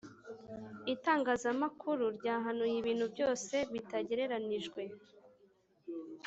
itangazamakuru ryahanuye ibintu byose bitagereranijwe.